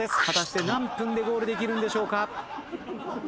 果たして何分でゴールできるんでしょうか？